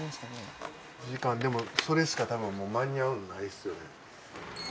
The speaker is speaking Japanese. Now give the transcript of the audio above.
でもそれしかたぶん間に合うのないっすよね。